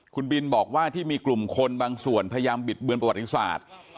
คุณบินบอกว่าที่มีกลุ่มคนบางส่วนพยายามบิดเบือนประวัติศาสตร์